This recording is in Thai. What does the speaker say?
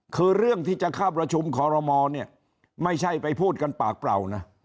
คือเรื่องที่จะเข้าประชุมคอรมอลเนี่ยไม่ใช่ไปพูดกันปากเปล่านะ